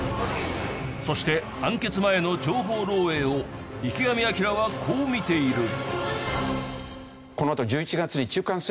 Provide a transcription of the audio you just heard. そして判決前の情報漏洩を池上彰はこう見ている。